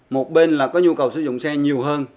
một bên là có nhu cầu sử dụng xe nhiều hơn